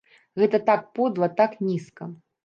Гэта так подла, так нізка!